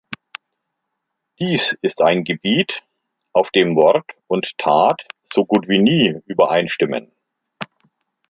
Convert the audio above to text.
Dies ist ein Gebiet, auf dem Wort und Tat so gut wie nie übereinstimmen.